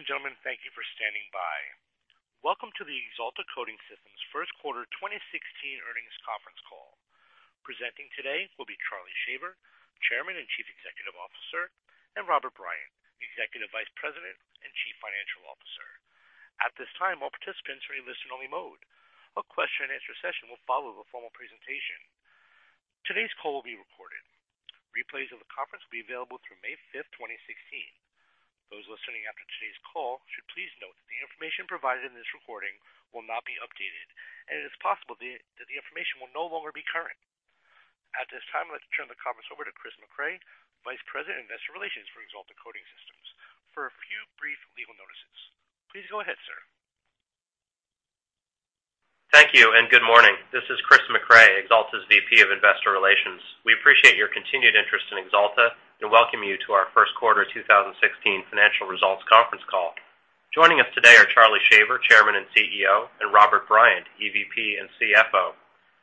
Ladies and gentlemen, thank you for standing by. Welcome to the Axalta Coating Systems first quarter 2016 earnings conference call. Presenting today will be Charlie Shaver, Chairman and Chief Executive Officer, and Robert Bryant, Executive Vice President and Chief Financial Officer. At this time, all participants are in listen only mode. A question and answer session will follow the formal presentation. Today's call will be recorded. Replays of the conference will be available through May 5th, 2016. Those listening after today's call should please note that the information provided in this recording will not be updated, and it is possible that the information will no longer be current. At this time, let's turn the conference over to Christopher Mecray, Vice President Investor Relations for Axalta Coating Systems for a few brief legal notices. Please go ahead, sir. Thank you. Good morning. This is Christopher Mecray, Axalta's VP of Investor Relations. We appreciate your continued interest in Axalta and welcome you to our first quarter 2016 financial results conference call. Joining us today are Charlie Shaver, Chairman and CEO, and Robert Bryant, EVP and CFO.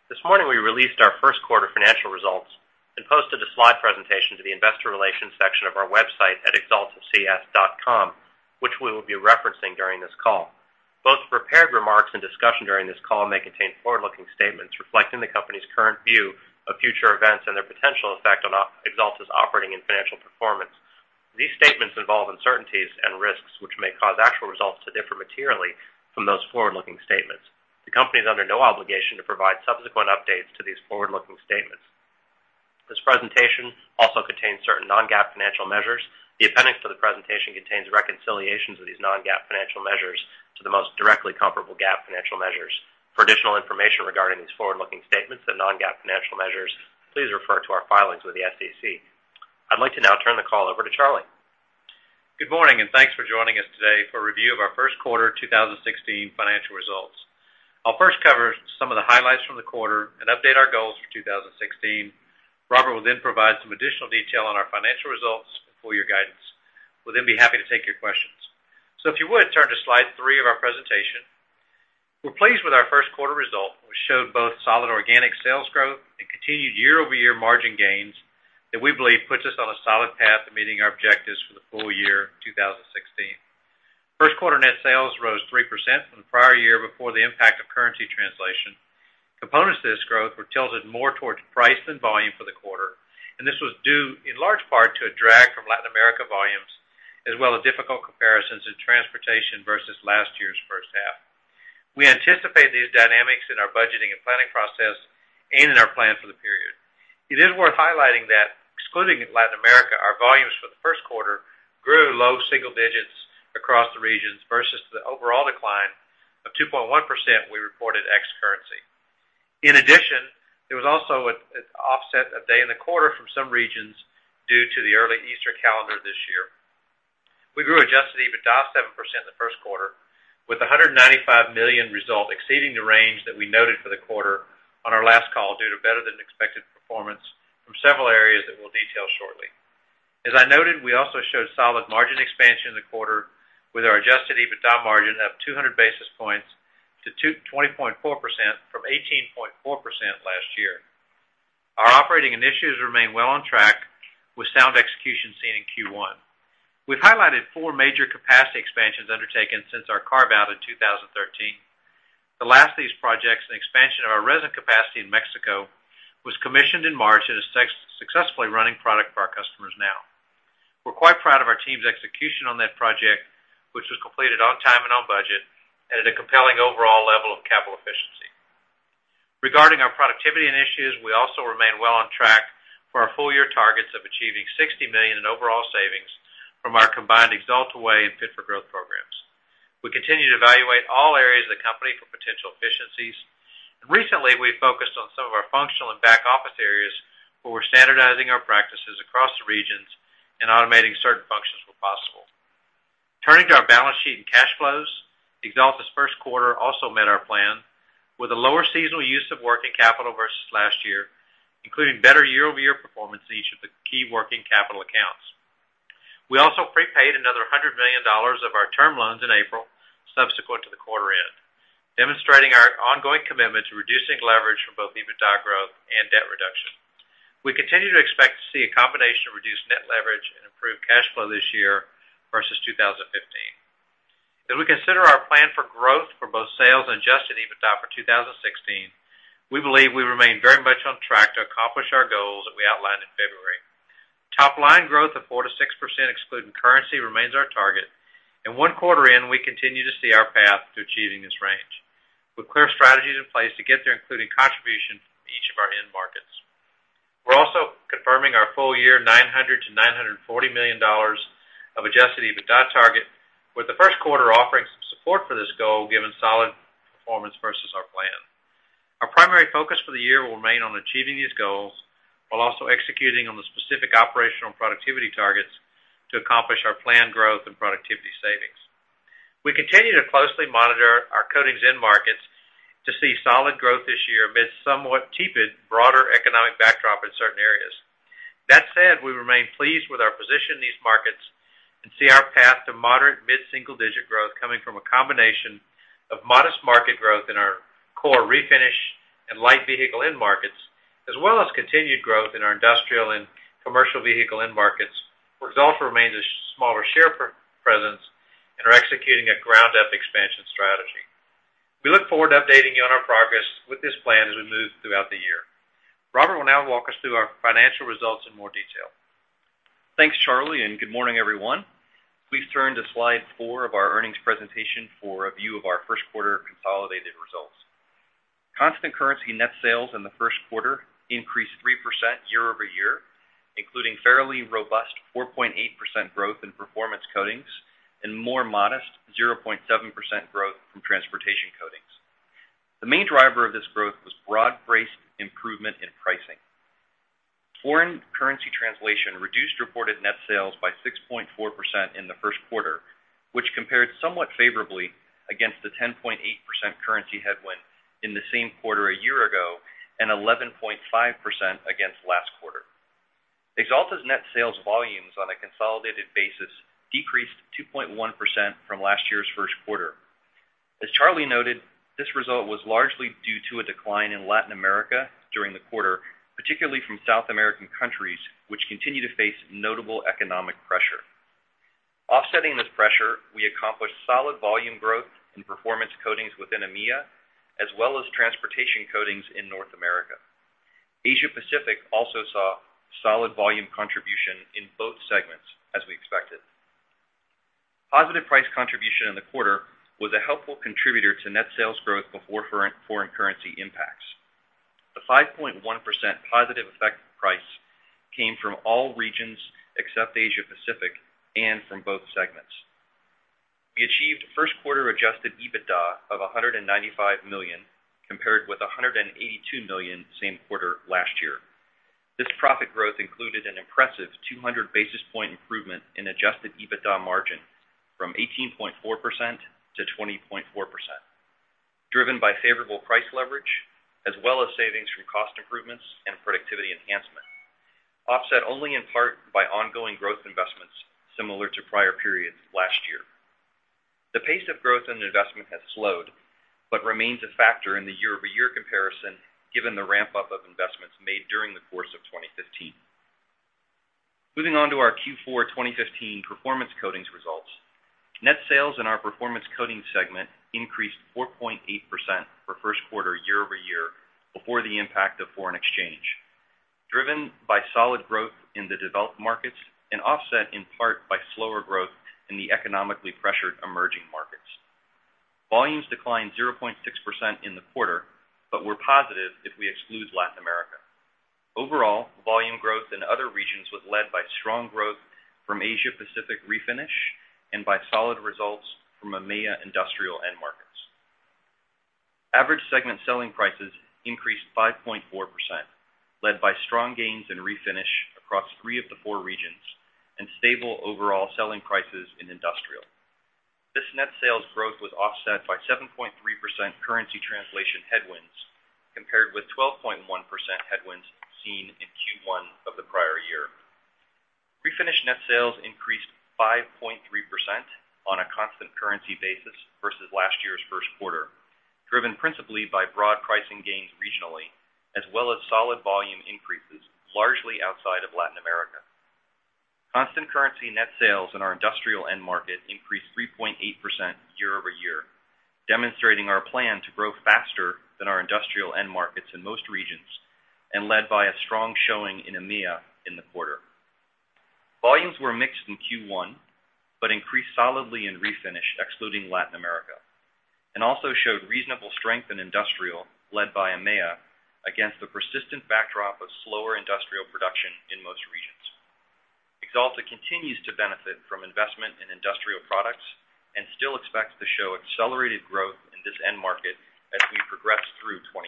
This morning we released our first quarter financial results and posted a slide presentation to the investor relations section of our website at ir.axalta.com, which we will be referencing during this call. Both prepared remarks and discussion during this call may contain forward-looking statements reflecting the company's current view of future events and their potential effect on Axalta's operating and financial performance. These statements involve uncertainties and risks which may cause actual results to differ materially from those forward-looking statements. The company is under no obligation to provide subsequent updates to these forward-looking statements. This presentation also contains certain non-GAAP financial measures. The appendix to the presentation contains reconciliations of these non-GAAP financial measures to the most directly comparable GAAP financial measures. For additional information regarding these forward-looking statements and non-GAAP financial measures, please refer to our filings with the SEC. I'd like to now turn the call over to Charlie. Good morning. Thanks for joining us today for a review of our first quarter 2016 financial results. I'll first cover some of the highlights from the quarter and update our goals for 2016. Robert will then provide some additional detail on our financial results and full year guidance. We'll then be happy to take your questions. If you would, turn to slide three of our presentation. We're pleased with our first quarter results, which showed both solid organic sales growth and continued year-over-year margin gains that we believe puts us on a solid path to meeting our objectives for the full year 2016. First quarter net sales rose 3% from the prior year before the impact of currency translation. Components to this growth were tilted more towards price than volume for the quarter, and this was due in large part to a drag from Latin America volumes, as well as difficult comparisons in transportation versus last year's first half. We anticipate these dynamics in our budgeting and planning process and in our plan for the period. It is worth highlighting that excluding Latin America, our volumes for the first quarter grew low single digits across the regions versus the overall decline of 2.1% we reported ex currency. In addition, there was also an offset of day in the quarter from some regions due to the early Easter calendar this year. We grew adjusted EBITDA 7% in the first quarter, with $195 million result exceeding the range that we noted for the quarter on our last call due to better than expected performance from several areas that we'll detail shortly. As I noted, we also showed solid margin expansion in the quarter with our adjusted EBITDA margin up 200 basis points to 20.4% from 18.4% last year. Our operating initiatives remain well on track with sound execution seen in Q1. We've highlighted four major capacity expansions undertaken since our carve-out in 2013. The last of these projects, an expansion of our resin capacity in Mexico, was commissioned in March and is successfully running product for our customers now. We're quite proud of our team's execution on that project, which was completed on time and on budget, and at a compelling overall level of capital efficiency. Regarding our productivity initiatives, we also remain well on track for our full year targets of achieving $60 million in overall savings from our combined Axalta Way and Fit for Growth programs. We continue to evaluate all areas of the company for potential efficiencies, and recently we've focused on some of our functional and back office areas where we're standardizing our practices across the regions and automating certain functions where possible. Turning to our balance sheet and cash flows, Axalta's first quarter also met our plan with a lower seasonal use of working capital versus last year, including better year-over-year performance in each of the key working capital accounts. We also prepaid another $100 million of our term loans in April subsequent to the quarter end, demonstrating our ongoing commitment to reducing leverage from both EBITDA growth and debt reduction. We continue to expect to see a combination of reduced net leverage and improved cash flow this year versus 2015. As we consider our plan for growth for both sales and adjusted EBITDA for 2016, we believe we remain very much on track to accomplish our goals that we outlined in February. Top line growth of 4%-6%, excluding currency, remains our target, and one quarter in, we continue to see our path to achieving this range with clear strategies in place to get there, including contribution from each of our end markets. We're also confirming our full year $900 million-$940 million of adjusted EBITDA target, with the first quarter offering some support for this goal given solid performance versus our plan. Our primary focus for the year will remain on achieving these goals while also executing on the specific operational productivity targets to accomplish our planned growth and productivity savings. We continue to closely monitor our coatings end markets to see solid growth this year amidst somewhat tepid broader economic backdrop in certain areas. That said, we remain pleased with our position in these markets and see our path to moderate mid-single digit growth, coming from a combination of modest market growth in our core refinish and light vehicle end markets, as well as continued growth in our industrial and commercial vehicle end markets, where Axalta remains a smaller share presence and are executing a ground-up expansion strategy. We look forward to updating you on our progress with this plan as we move throughout the year. Robert will now walk us through our financial results in more detail. Thanks, Charlie, and good morning, everyone. Please turn to slide four of our earnings presentation for a view of our first quarter consolidated results. Constant currency net sales in the first quarter increased 3% year-over-year, including fairly robust 4.8% growth in performance coatings and more modest 0.7% growth from transportation coatings. The main driver of this growth was broad-based improvement in pricing. Foreign currency translation reduced reported net sales by 6.4% in the first quarter, which compared somewhat favorably against the 10.8% currency headwind in the same quarter a year ago and 11.5% against last quarter. Axalta's net sales volumes on a consolidated basis decreased 2.1% from last year's first quarter. As Charlie noted, this result was largely due to a decline in Latin America during the quarter, particularly from South American countries, which continue to face notable economic pressure. Offsetting this pressure, we accomplished solid volume growth in performance coatings within EMEA, as well as transportation coatings in North America. Asia Pacific also saw solid volume contribution in both segments, as we expected. Positive price contribution in the quarter was a helpful contributor to net sales growth before foreign currency impacts. The 5.1% positive effect price came from all regions except Asia Pacific and from both segments. We achieved first quarter adjusted EBITDA of $195 million, compared with $182 million same quarter last year. This profit growth included an impressive 200 basis point improvement in adjusted EBITDA margin from 18.4% to 20.4%, driven by favorable price leverage, as well as savings from cost improvements and productivity enhancement, offset only in part by ongoing growth investments similar to prior periods last year. The pace of growth and investment has slowed, but remains a factor in the year-over-year comparison, given the ramp-up of investments made during the course of 2015. Moving on to our Q4 2015 performance coatings results. Net sales in our performance coatings segment increased 4.8% for first quarter year-over-year before the impact of foreign exchange, driven by solid growth in the developed markets and offset in part by slower growth in the economically pressured emerging markets. Volumes declined 0.6% in the quarter, but were positive if we exclude Latin America. Overall, volume growth in other regions was led by strong growth from Asia Pacific Refinish and by solid results from EMEA industrial end markets. Average segment selling prices increased 5.4%, led by strong gains in Refinish across three of the four regions and stable overall selling prices in industrial. This net sales growth was offset by 7.3% currency translation headwinds, compared with 12.1% headwinds seen in Q1 of the prior year. Refinish net sales increased 5.3% on a constant currency basis versus last year's first quarter, driven principally by broad pricing gains regionally as well as solid volume increases, largely outside of Latin America. Constant currency net sales in our industrial end market increased 3.8% year-over-year, demonstrating our plan to grow faster than our industrial end markets in most regions and led by a strong showing in EMEA in the quarter. Volumes were mixed in Q1, but increased solidly in Refinish, excluding Latin America, and also showed reasonable strength in industrial, led by EMEA, against the persistent backdrop of slower industrial production in most regions. Axalta continues to benefit from investment in industrial products and still expects to show accelerated growth in this end market as we progress through 2016.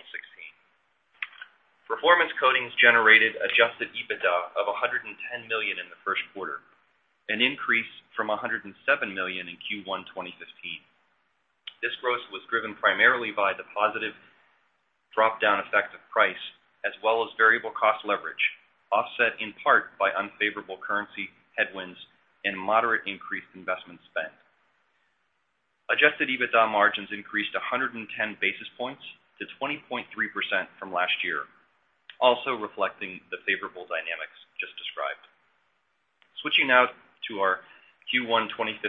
Performance Coatings generated adjusted EBITDA of $110 million in the first quarter, an increase from $107 million in Q1 2015. This growth was driven primarily by the positive drop-down effect of price as well as variable cost leverage, offset in part by unfavorable currency headwinds and moderate increased investment spend. Adjusted EBITDA margins increased 110 basis points to 20.3% from last year, also reflecting the favorable dynamics just described. Switching now to our Q1 2015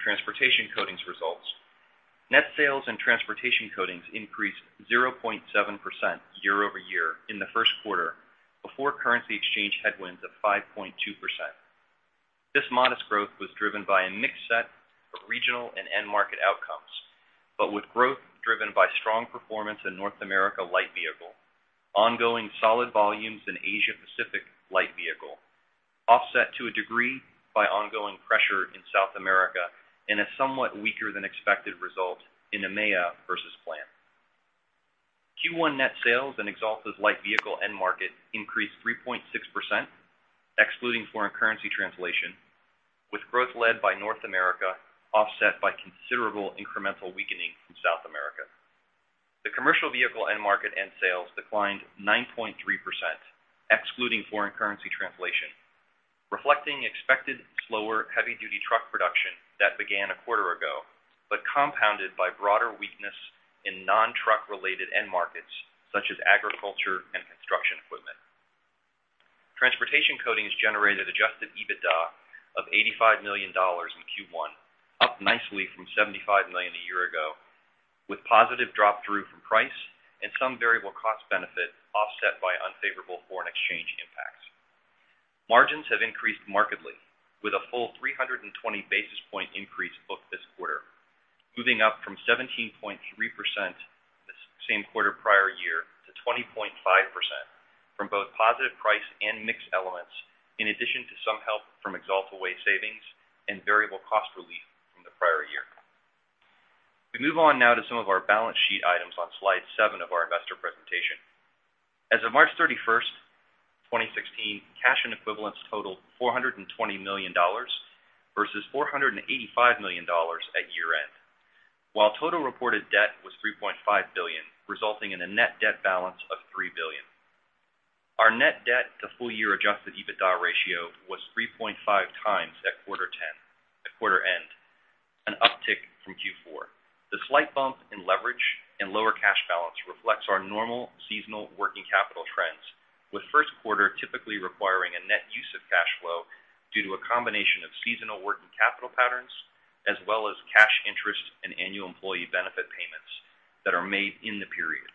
Transportation Coatings results. Net sales in Transportation Coatings increased 0.7% year-over-year in the first quarter before currency exchange headwinds of 5.2%. This modest growth was driven by a mixed set of regional and end market outcomes, but with growth driven by strong performance in North America light vehicle, ongoing solid volumes in Asia Pacific light vehicle, offset to a degree by ongoing pressure in South America and a somewhat weaker than expected result in EMEA versus plan. Q1 net sales in Axalta's light vehicle end market increased 3.6%, excluding foreign currency translation, with growth led by North America offset by considerable incremental weakening from South America. Commercial vehicle end market and sales declined 9.3%, excluding foreign currency translation, reflecting expected slower heavy-duty truck production that began a quarter ago, but compounded by broader weakness in non-truck related end markets such as agriculture and construction equipment. Transportation Coatings generated adjusted EBITDA of $85 million in Q1, up nicely from $75 million a year ago, with positive drop-through from price and some variable cost benefit offset by unfavorable foreign exchange impacts. Margins have increased markedly with a full 320 basis point increase booked this quarter, moving up from 17.3% the same quarter prior year to 20.5% from both positive price and mixed elements, in addition to some help from Axalta Way savings and variable cost relief from the prior year. We move on now to some of our balance sheet items on slide seven of our investor presentation. As of March 31st, 2016, cash and equivalents totaled $420 million versus $485 million at year-end. While total reported debt was $3.5 billion, resulting in a net debt balance of $3 billion. Our net debt to full year adjusted EBITDA ratio was 3.5 times at quarter end, an uptick from Q4. The slight bump in leverage and lower cash balance reflects our normal seasonal working capital trends, with first quarter typically requiring a net use of cash flow due to a combination of seasonal working capital patterns, as well as cash interest and annual employee benefit payments that are made in the period.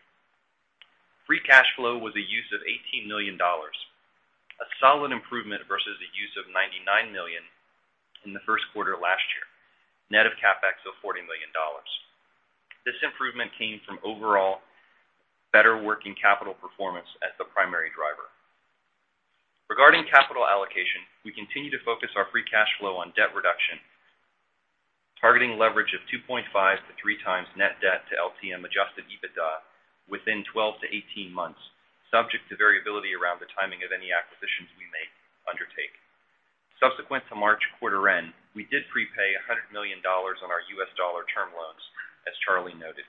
Free cash flow was a use of $18 million, a solid improvement versus a use of $99 million in the first quarter of last year, net of CapEx of $40 million. This improvement came from overall better working capital performance as the primary driver. Regarding capital allocation, we continue to focus our free cash flow on debt reduction, targeting leverage of 2.5-3 times net debt to LTM adjusted EBITDA within 12-18 months, subject to variability around the timing of any acquisitions we may undertake. Subsequent to March quarter end, we did prepay $100 million on our US dollar term loans, as Charlie noted.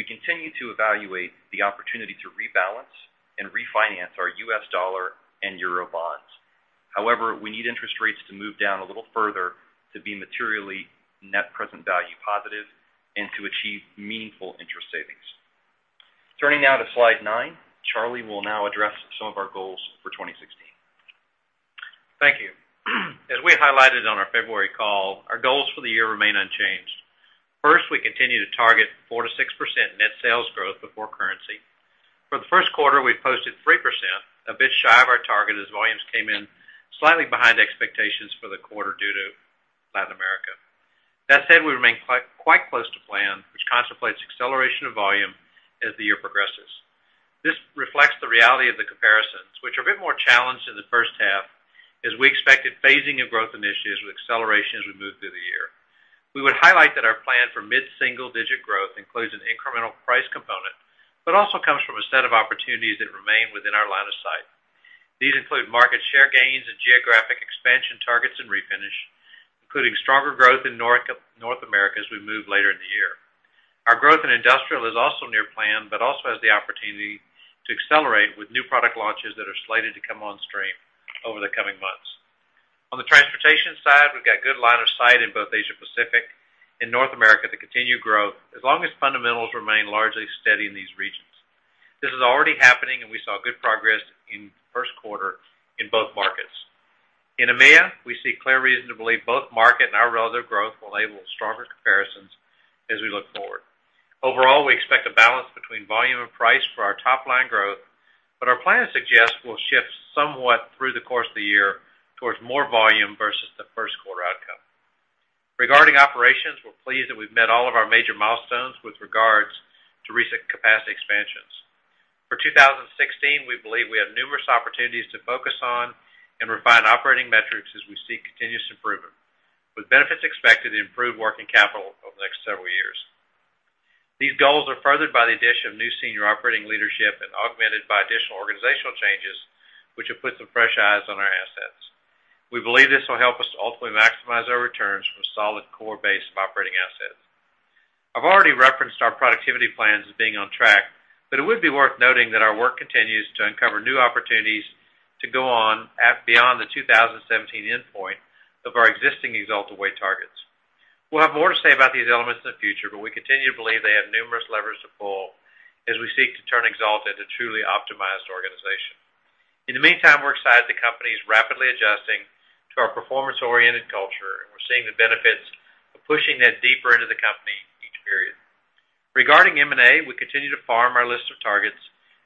We continue to evaluate the opportunity to rebalance and refinance our US dollar and EUR bonds. However, we need interest rates to move down a little further to be materially net present value positive and to achieve meaningful interest savings. Turning now to slide nine. Charlie will now address some of our goals for 2016. Thank you. As we highlighted on our February call, our goals for the year remain unchanged. First, we continue to target 4%-6% net sales growth before currency. For the first quarter, we posted 3%, a bit shy of our target, as volumes came in slightly behind expectations for the quarter due to Latin America. That said, we remain quite close to plan, which contemplates acceleration of volume as the year progresses. This reflects the reality of the comparisons, which are a bit more challenged in the first half, as we expected phasing of growth initiatives with acceleration as we move through the year. We would highlight that our plan for mid-single digit growth includes an incremental price component, but also comes from a set of opportunities that remain within our line of sight. These include market share gains and geographic expansion targets in Refinish, including stronger growth in North America as we move later in the year. Our growth in Industrial is also near plan, but also has the opportunity to accelerate with new product launches that are slated to come on stream over the coming months. On the Transportation side, we've got good line of sight in both Asia Pacific and North America to continue growth as long as fundamentals remain largely steady in these regions. This is already happening, and we saw good progress in the first quarter in both markets. In EMEA, we see clear reason to believe both market and our relative growth will enable stronger comparisons as we look forward. Overall, we expect a balance between volume and price for our top line growth, but our plan suggests we'll shift somewhat through the course of the year towards more volume versus the first quarter outcome. Regarding operations, we're pleased that we've met all of our major milestones with regards to recent capacity expansions. For 2016, we believe we have numerous opportunities to focus on and refine operating metrics as we seek continuous improvement, with benefits expected to improve working capital over the next several years. These goals are furthered by the addition of new senior operating leadership and augmented by additional organizational changes, which will put some fresh eyes on our assets. We believe this will help us to ultimately maximize our returns from a solid core base of operating assets. I've already referenced our productivity plans as being on track, but it would be worth noting that our work continues to uncover new opportunities to go on beyond the 2017 endpoint of our existing Axalta Way targets. We'll have more to say about these elements in the future, but we continue to believe they have numerous levers to pull as we seek to turn Axalta into a truly optimized organization. In the meantime, we're excited the company is rapidly adjusting to our performance-oriented culture, and we're seeing the benefits of pushing that deeper into the company each period. Regarding M&A, we continue to farm our list of targets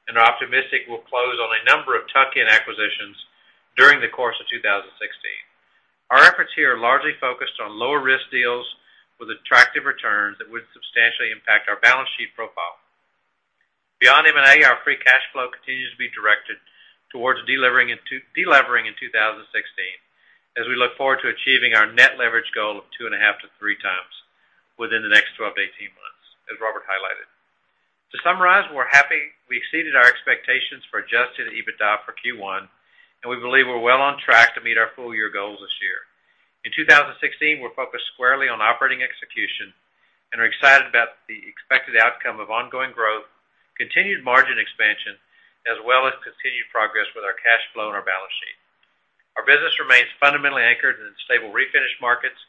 and are optimistic we'll close on a number of tuck-in acquisitions during the course of 2016. Our efforts here are largely focused on lower risk deals with attractive returns that would substantially impact our balance sheet profile. Beyond M&A, our free cash flow continues to be directed towards delevering in 2016 as we look forward to achieving our net leverage goal of two and a half to three times within the next 12 to 18 months, as Robert highlighted. To summarize, we're happy we exceeded our expectations for adjusted EBITDA for Q1, and we believe we're well on track to meet our full year goals this year. In 2016, we're focused squarely on operating execution and are excited about the expected outcome of ongoing growth, continued margin expansion, as well as continued progress with our cash flow and our balance sheet. Our business remains fundamentally anchored in stable refinish markets,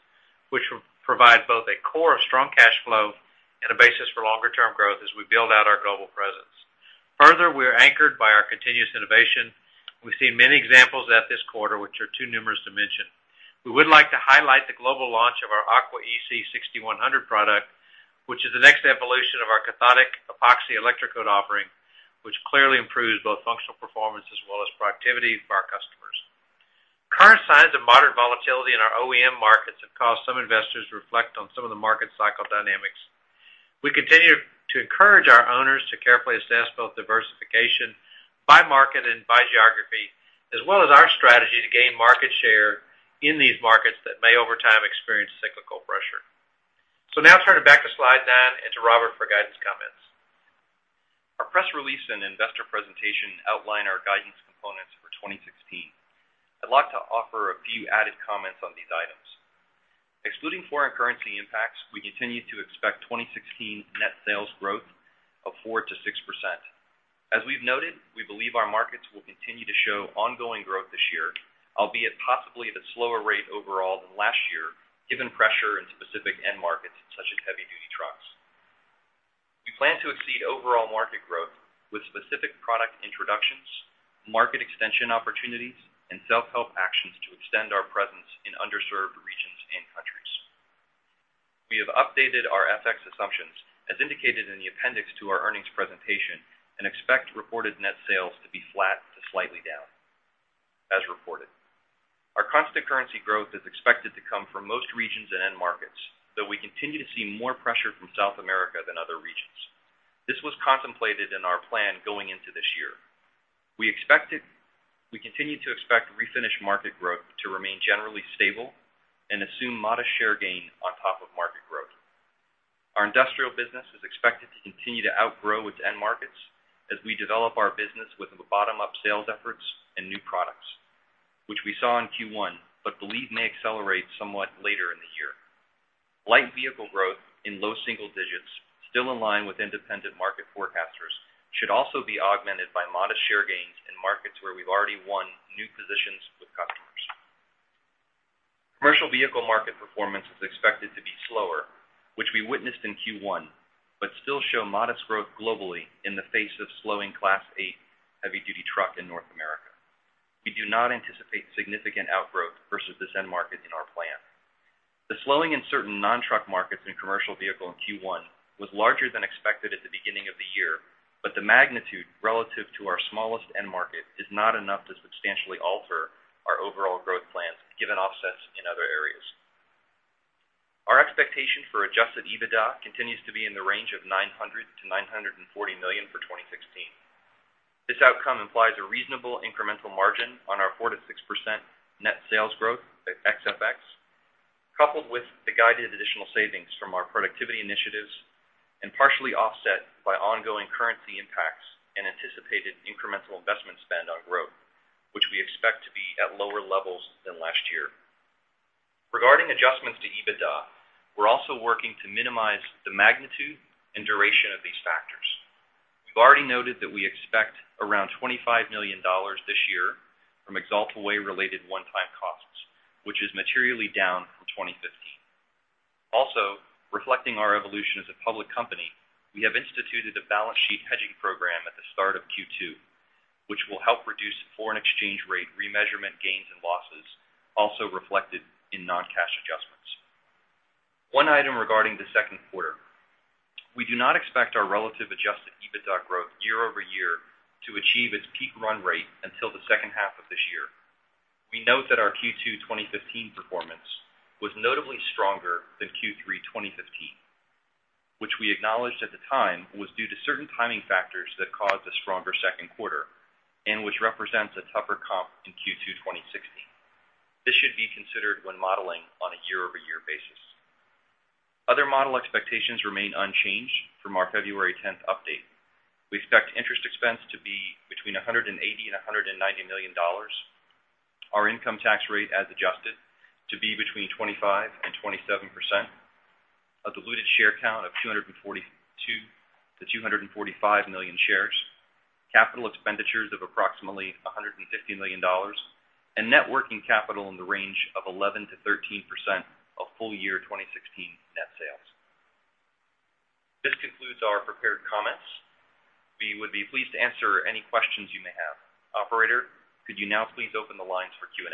which will provide both a core of strong cash flow and a basis for longer term growth as we build out our global presence. We are anchored by our continuous innovation. We've seen many examples at this quarter, which are too numerous to mention. We would like to highlight the global launch of our AquaEC 6100 product, which is the next evolution of our cathodic epoxy electrocoat offering, which clearly improves both functional performance as well as productivity for our customers. Current signs of moderate volatility in our OEM markets have caused some investors to reflect on some of the market cycle dynamics. We continue to encourage our owners to carefully assess both diversification by market and by geography, as well as our strategy to gain market share in these markets that may, over time, experience cyclical pressure. Now turning back to slide nine and to Robert for guidance comments. Our press release and investor presentation outline our guidance components for 2016. I'd like to offer a few added comments on these items. Excluding foreign currency impacts, we continue to expect 2016 net sales growth of 4%-6%. As we've noted, we believe our markets will continue to show ongoing growth this year, albeit possibly at a slower rate overall than last year, given pressure in specific end markets such as heavy-duty trucks. We plan to exceed overall market growth with specific product introductions, market extension opportunities, and self-help actions to extend our presence in underserved regions and countries. We have updated our FX assumptions, as indicated in the appendix to our earnings presentation, and expect reported net sales to be flat to slightly down as reported. Our constant currency growth is expected to come from most regions and end markets, though we continue to see more pressure from South America than other regions. This was contemplated in our plan going into this year. We continue to expect refinish market growth to remain generally stable and assume modest share gain on top of market growth. Our industrial business is expected to continue to outgrow its end markets as we develop our business with bottom-up sales efforts and new products, which we saw in Q1, but believe may accelerate somewhat later in the year. Light vehicle growth in low single digits, still in line with independent market forecasters, should also be augmented by modest share gains in markets where we've already won new positions with customers. Commercial vehicle market performance is expected to be slower, which we witnessed in Q1, but still show modest growth globally in the face of slowing Class 8 heavy-duty truck in North America. We do not anticipate significant outgrowth versus this end market in our plan. The slowing in certain non-truck markets in commercial vehicle in Q1 was larger than expected at the beginning of the year, but the magnitude relative to our smallest end market is not enough to substantially alter our overall growth plans, given offsets in other areas. Our expectation for adjusted EBITDA continues to be in the range of $900 million-$940 million for 2016. This outcome implies a reasonable incremental margin on our 4%-6% net sales growth at ex FX, coupled with the guided additional savings from our productivity initiatives and partially offset by ongoing currency impacts and anticipated incremental investment spend on growth, which we expect to be at lower levels than last year. Regarding adjustments to EBITDA, we're also working to minimize the magnitude and duration of these factors. We've already noted that we expect around $25 million this year from Axalta Way-related one-time costs, which is materially down from 2015. Also, reflecting our evolution as a public company, we have instituted a balance sheet hedging program at the start of Q2, which will help reduce foreign exchange rate remeasurement gains and losses, also reflected in non-cash adjustments. One item regarding the second quarter. We do not expect our relative adjusted EBITDA growth year-over-year to achieve its peak run rate until the second half of this year. We note that our Q2 2015 performance was notably stronger than Q3 2015, which we acknowledged at the time was due to certain timing factors that caused a stronger second quarter and which represents a tougher comp in Q2 2016. This should be considered when modeling on a year-over-year basis. Other model expectations remain unchanged from our February 10th update. We expect interest expense to be between $180 million and $190 million, our income tax rate as adjusted to be between 25% and 27%, a diluted share count of 242 million-245 million shares, capital expenditures of approximately $150 million, and net working capital in the range of 11%-13% of full year 2016 net sales. This concludes our prepared comments. We would be pleased to answer any questions you may have. Operator, could you now please open the lines for Q&A?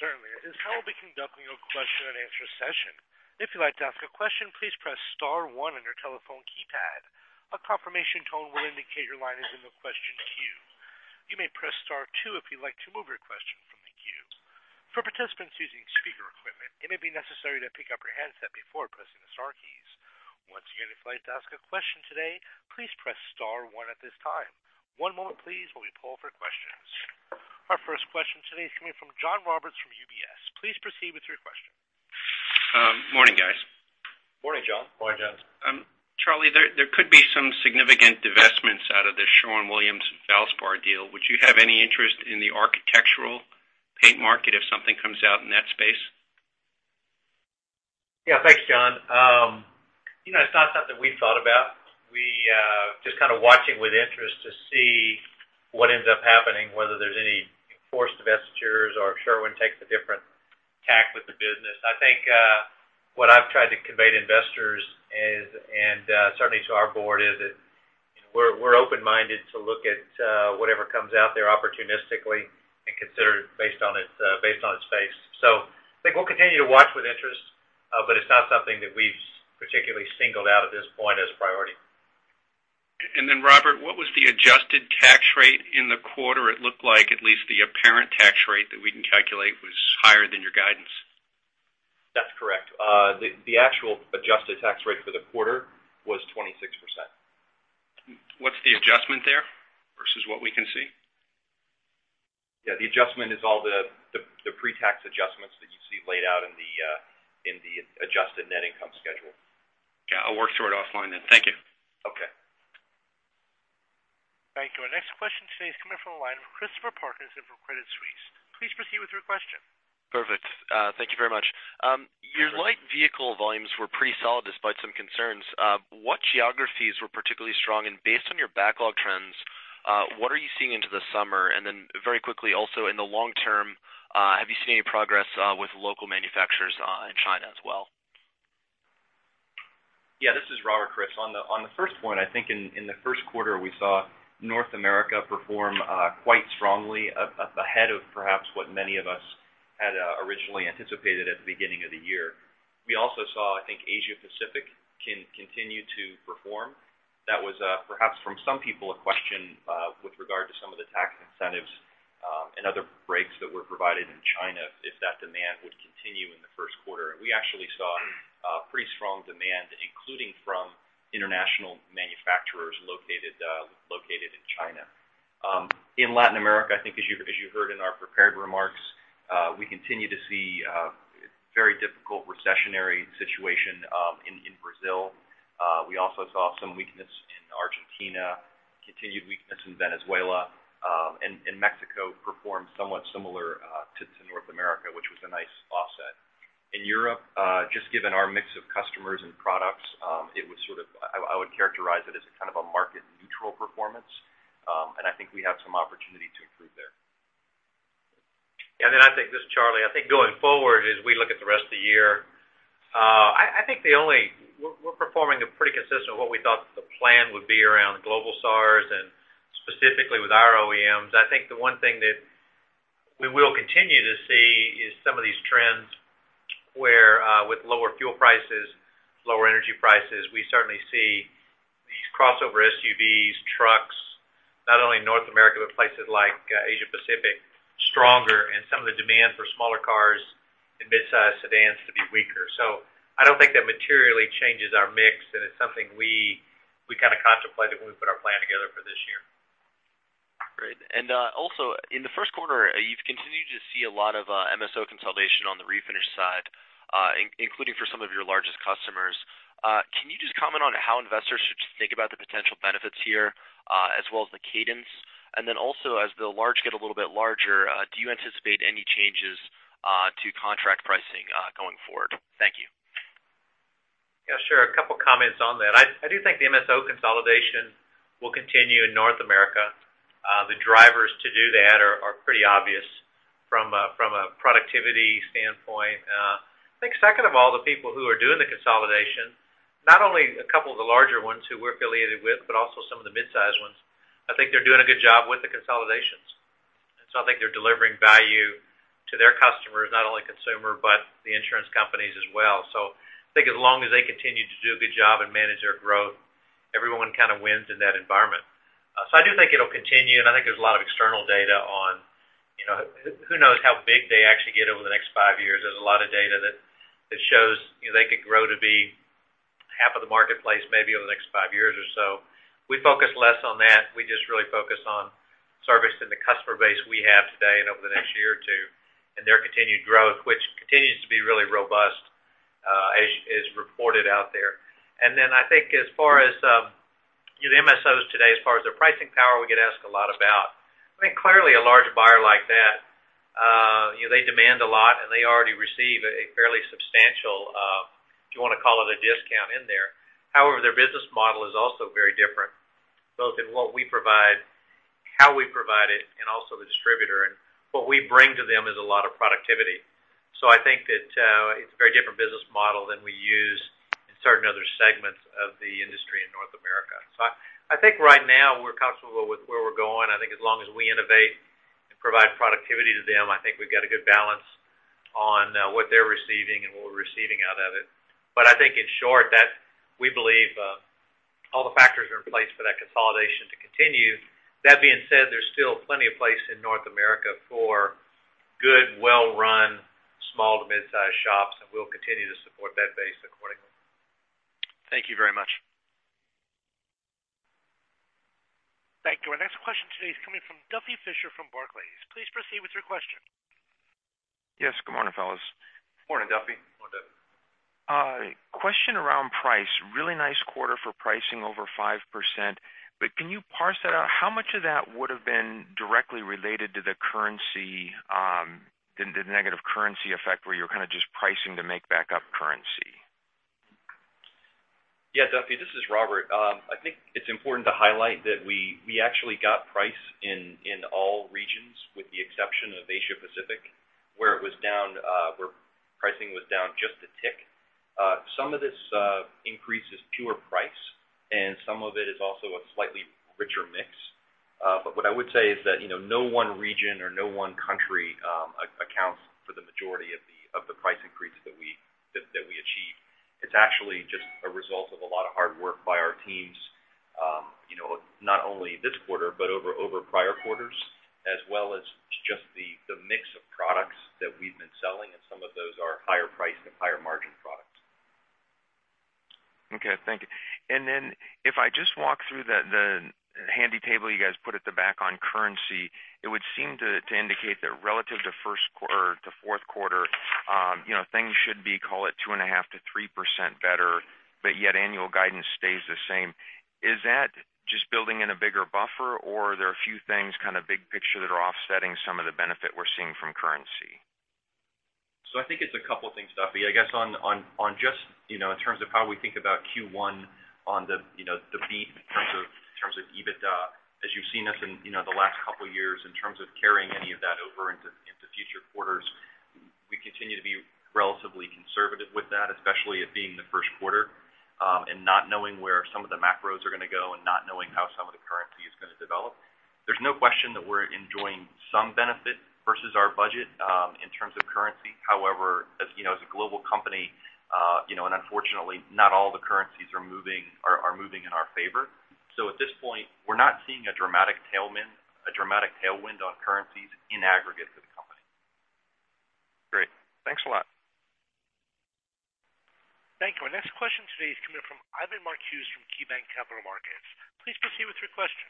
Certainly. As how we will be conducting our question and answer session. If you would like to ask a question, please press star one on your telephone keypad. A confirmation tone will indicate your line is in the question queue. You may press star two if you would like to move your question from the queue. For participants using speaker equipment, it may be necessary to pick up your handset before pressing the star keys. Once again, if you would like to ask a question today, please press star one at this time. One moment please while we poll for questions. Our first question today is coming from John Roberts from UBS. Please proceed with your question. Morning, guys. Morning, John. Morning, John. Charlie, there could be some significant divestments out of the Sherwin-Williams/Valspar deal. Would you have any interest in the architectural paint market if something comes out in that space? Yeah. Thanks, John. It's not something we've thought about. We just kind of watch it with interest to see what ends up happening, whether there's any forced divestitures or Sherwin takes a different tack with the business. I think what I've tried to convey to investors and certainly to our board, is that we're open-minded to look at whatever comes out there opportunistically and consider it based on its face. I think we'll continue to watch with interest, but it's not something that we've particularly singled out at this point as a priority. Robert, what was the adjusted tax rate in the quarter? It looked like at least the apparent tax rate that we can calculate was higher than your guidance. That's correct. The actual adjusted tax rate for the quarter was 26%. What's the adjustment there versus what we can see? The adjustment is all the pre-tax adjustments that you see laid out in the adjusted net income schedule. I'll work through it offline. Thank you. Okay. Thank you. Our next question today is coming from the line of Christopher Parkinson from Credit Suisse. Please proceed with your question. Perfect. Thank you very much. Your light vehicle volumes were pretty solid despite some concerns. What geographies were particularly strong? Based on your backlog trends, what are you seeing into the summer? Very quickly, also in the long term, have you seen any progress with local manufacturers in China as well? Yeah, this is Robert. Chris, on the first point, I think in the first quarter, we saw North America perform quite strongly ahead of perhaps what many of us had originally anticipated at the beginning of the year. We also saw, I think, Asia Pacific continue to perform. That was perhaps for some people, a question with regard to some of the tax incentives and other breaks that were provided in China, if that demand would continue in the first quarter. We actually saw a pretty strong demand, including from international manufacturers located in China. In Latin America, I think as you heard in our prepared remarks, we continue to see a very difficult recessionary situation in Brazil. We also saw some weakness in Argentina, continued weakness in Venezuela, Mexico performed somewhat similar to North America, which was a nice offset. In Europe, just given our mix of customers and products, I would characterize it as a kind of a market neutral performance. I think we have some opportunity to improve there. This is Charlie Shaver. I think going forward, as we look at the rest of the year, we're performing pretty consistent with what we thought the plan would be around global SAARs and specifically with our OEMs. The one thing that we will continue to see is some of these trends where with lower fuel prices, lower energy prices, we certainly see these crossover SUVs, trucks, not only in North America, but places like Asia Pacific, stronger, and some of the demand for smaller cars and mid-size sedans to be weaker. I don't think that materially changes our mix, and it's something we kind of contemplated when we put our plan together for this year. Great. Also in the first quarter, you've continued to see a lot of MSO consolidation on the refinish side, including for some of your largest customers. Can you just comment on how investors should think about the potential benefits here as well as the cadence? Also, as the large get a little bit larger, do you anticipate any changes to contract pricing going forward? Thank you. Yeah, sure. A couple of comments on that. I do think the MSO consolidation will continue in North America. The drivers to do that are pretty obvious from a productivity standpoint. Second of all, the people who are doing the consolidation, not only a couple of the larger ones who we're affiliated with, but also some of the mid-size ones. They're doing a good job with the consolidations, and I think they're delivering value to their customers, not only consumer, but the insurance companies as well. I think as long as they continue to do a good job and manage their growth, everyone kind of wins in that environment. I do think it'll continue, and I think there's a lot of external data on, who knows how big they actually get over the next five years. There's a lot of data that shows they could grow to be half of the marketplace, maybe over the next five years or so. We focus less on that. We just really focus on servicing the customer base we have today and over the next year or two, and their continued growth, which continues to be really robust, as is reported out there. Then I think as far as the MSOs today, as far as their pricing power, we get asked a lot about. Clearly a large buyer like that, they demand a lot, and they already receive a fairly substantial, if you want to call it a discount in there. However, their business model is also very different, both in what we provide, how we provide it, and also the distributor. What we bring to them is a lot of productivity. I think that it's a very different business model than we use in certain other segments of the industry in North America. I think right now we're comfortable with where we're going. I think as long as we innovate and provide productivity to them, I think we've got a good balance on what they're receiving and what we're receiving out of it. I think in short, that we believe all the factors are in place for that consolidation to continue. That being said, there's still plenty of place in North America for good, well-run, small to midsize shops, and we'll continue to support that base accordingly. Thank you very much. Our next question today is coming from Duffy Fischer from Barclays. Please proceed with your question. Yes. Good morning, fellas. Morning, Duffy. Morning, Duffy. Question around price. Really nice quarter for pricing over 5%, but can you parse that out? How much of that would've been directly related to the negative currency effect, where you're kind of just pricing to make back up currency? Yeah, Duffy, this is Robert. I think it's important to highlight that we actually got price in all regions with the exception of Asia Pacific, where pricing was down just a tick. Some of this increase is pure price, and some of it is also a slightly richer mix. What I would say is that, no one region or no one country accounts for the majority of the price increase that we achieved. It's actually just a result of a lot of hard work by our teams, not only this quarter, but over prior quarters, as well as just the mix of products that we've been selling, and some of those are higher priced and higher margin products. Okay, thank you. Then if I just walk through the handy table you guys put at the back on currency, it would seem to indicate that relative to fourth quarter, things should be, call it 2.5%-3% better, yet annual guidance stays the same. Is that just building in a bigger buffer, or are there a few things kind of big picture that are offsetting some of the benefit we're seeing from currency? I think it's a couple things, Duffy. I guess on just in terms of how we think about Q1 on the beat in terms of EBITDA, as you've seen us in the last couple years in terms of carrying any of that over into future quarters, we continue to be relatively conservative with that, especially it being the first quarter, and not knowing where some of the macros are going to go and not knowing how some of the currency is going to develop. There's no question that we're enjoying some benefit versus our budget, in terms of currency. However, as a global company, unfortunately not all the currencies are moving in our favor. At this point, we're not seeing a dramatic tailwind on currencies in aggregate for the company. Great. Thanks a lot. Thank you. Our next question today is coming from Ivan Marcuse from KeyBanc Capital Markets. Please proceed with your question.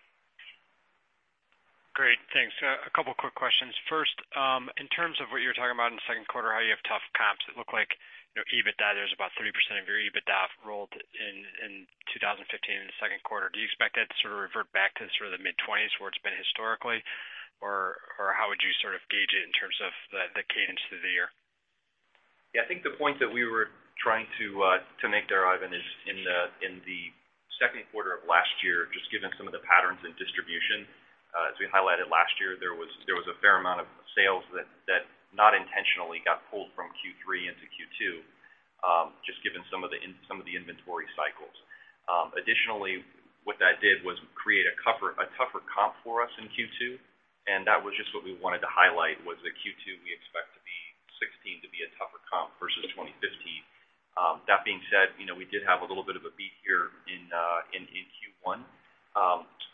Great, thanks. A couple quick questions. First, in terms of what you were talking about in the second quarter, how you have tough comps, it looked like your EBITDA, there's about 30% of your EBITDA rolled in 2015 in the second quarter. Do you expect that to sort of revert back to sort of the mid-20s where it's been historically? How would you sort of gauge it in terms of the cadence through the year? Yeah, I think the point that we were trying to make there, Ivan, is in the second quarter of last year, just given some of the patterns in distribution, as we highlighted last year, there was a fair amount of sales that not intentionally got pulled from Q3 into Q2, just given some of the inventory cycles. Additionally, what that did was create a tougher comp for us in Q2, and that was just what we wanted to highlight, was that Q2, we expect 2016 to be a tougher comp versus 2015. That being said, we did have a little bit of a beat here in Q1.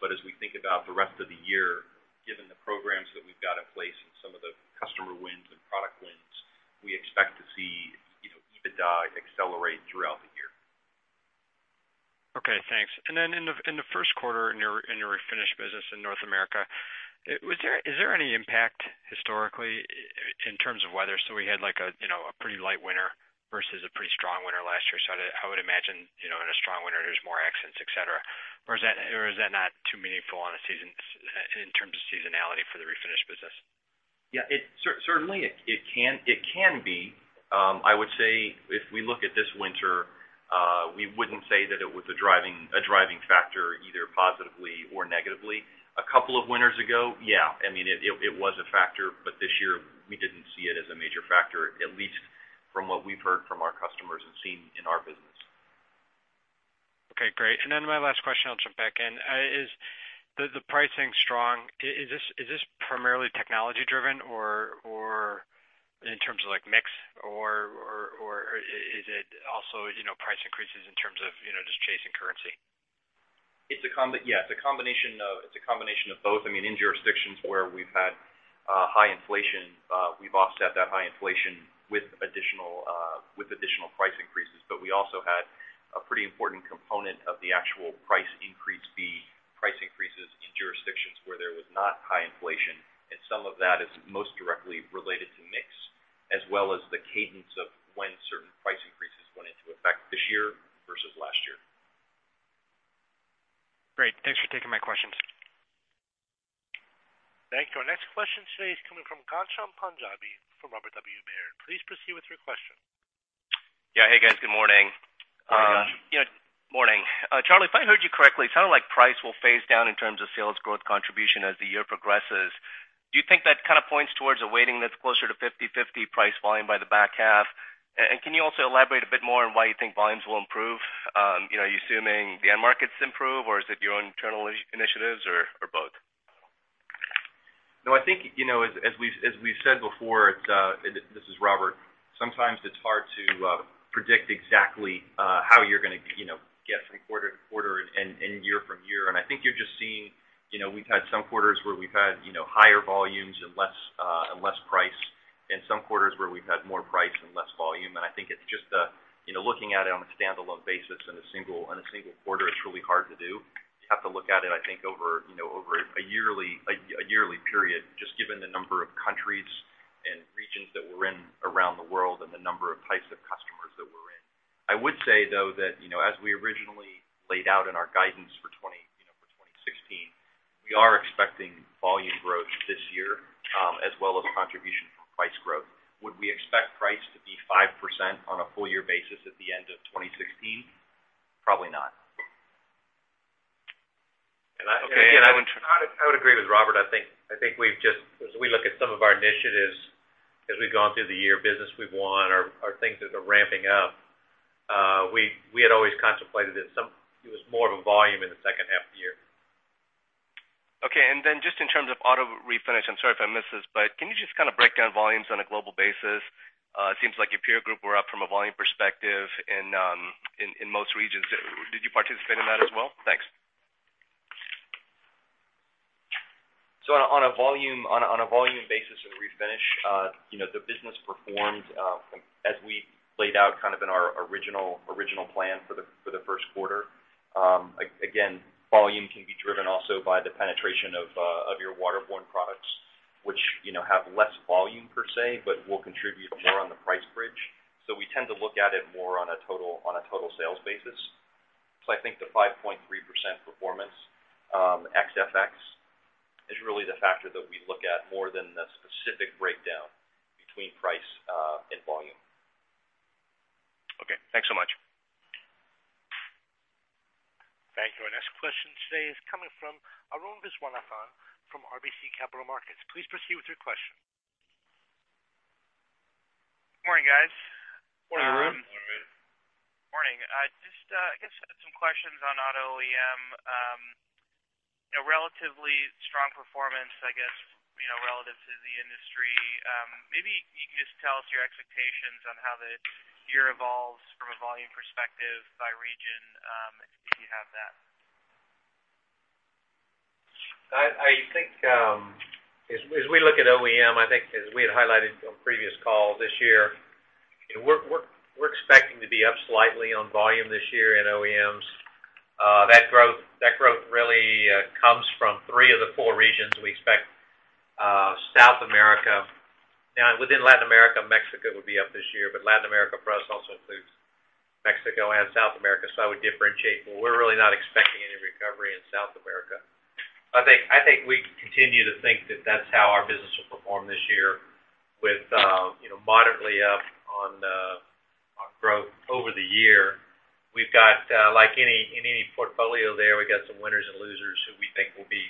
As we think about the rest of the year, given the programs that we've got in place and some of the customer wins and product wins, we expect to see EBITDA accelerate throughout the year. Okay, thanks. In the first quarter, in your Refinish business in North America, is there any impact historically in terms of weather? We had a pretty light winter versus a pretty strong winter last year. I would imagine, in a strong winter there's more accidents, et cetera. Is that not too meaningful in terms of seasonality for the Refinish business? Yeah. Certainly it can be. I would say if we look at this winter, we wouldn't say that it was a driving factor either positively or negatively. A couple of winters ago, yeah, I mean, it was a factor, but this year we didn't see it as a major factor, at least from what we've heard from our customers and seen in our business. Okay, great. My last question, I'll jump back in. Is the pricing strong? Is this primarily technology driven or in terms of mix? Is it also price increases in terms of just chasing currency? Yeah. It's a combination of both. In jurisdictions where we've had high inflation, we've offset that high inflation with additional price increases. We also had a pretty important component of the actual price increase be price increases in jurisdictions where there was not high inflation, and some of that is most directly related to mix, as well as the cadence of when certain price increases went into effect this year versus last year. Great. Thanks for taking my questions. Thank you. Our next question today is coming from Ghansham Panjabi from Robert W. Baird. Please proceed with your question. Yeah. Hey, guys, good morning. Good morning. Morning. Charlie, if I heard you correctly, it sounded like price will phase down in terms of sales growth contribution as the year progresses. Do you think that kind of points towards a weighting that's closer to 50/50 price volume by the back half? Can you also elaborate a bit more on why you think volumes will improve? Are you assuming the end markets improve, or is it your own internal initiatives, or both? No, I think, as we've said before, this is Robert. Sometimes it's hard to predict exactly how you're gonna get from quarter to quarter and year from year. I think you're just seeing, we've had some quarters where we've had higher volumes and less price. Some quarters where we've had more price and less volume. I think it's just looking at it on a standalone basis in a single quarter, it's really hard to do. You have to look at it, I think, over a yearly period, just given the number of countries and regions that we're in around the world and the number of types of customers that we're in. I would say, though, that as we originally laid out in our guidance for 2016, we are expecting volume growth this year, as well as contribution from price growth. Would we expect price to be 5% on a full year basis at the end of 2016? Probably not. I would agree with Robert. I think as we look at some of our initiatives, as we've gone through the year, business we've won, or things that are ramping up, we had always contemplated it was more of a volume in the second half of the year. Okay. Just in terms of auto refinish, I'm sorry if I missed this, but can you just kind of break down volumes on a global basis? It seems like your peer group were up from a volume perspective in most regions. Did you participate in that as well? Thanks. On a volume basis in refinish, the business performed as we laid out in our original plan for the first quarter. Again, volume can be driven also by the penetration of your waterborne products, which have less volume per se, but will contribute more on the price bridge. We tend to look at it more on a total sales basis. I think the 5.3% performance ex FX is really the factor that we look at more than the specific breakdown between price and volume. Okay. Thanks so much. Thank you. Our next question today is coming from Arun Viswanathan from RBC Capital Markets. Please proceed with your question. Morning, guys. Morning, Arun. Morning. Morning. Just, I guess, some questions on auto OEM. A relatively strong performance, I guess, relative to the industry. Maybe you can just tell us your expectations on how the year evolves from a volume perspective by region, if you have that. I think, as we look at OEM, I think as we had highlighted on previous calls this year, we're expecting to be up slightly on volume this year in OEMs. That growth really comes from three of the four regions. We expect South America. Now, within Latin America, Mexico will be up this year, but Latin America for us also includes Mexico and South America. I would differentiate, but we're really not expecting any recovery in South America. I think we continue to think that that's how our business will perform this year with moderately up on growth over the year. We've got, like in any portfolio there, we've got some winners and losers who we think will be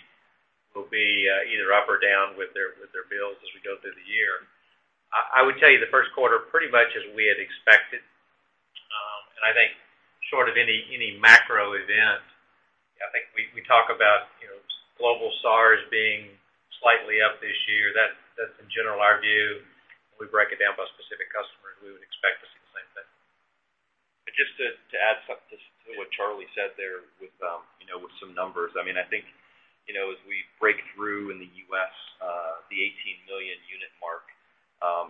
either up or down with their builds as we go through the year. I would tell you the first quarter, pretty much as we had expected. I think short of any macro event, I think we talk about global SAARs being slightly up this year. That's in general our view. When we break it down by specific customers, we would expect to see the same thing. Just to add something to what Charlie said there with some numbers. I think, as we break through in the U.S., the 18 million unit mark,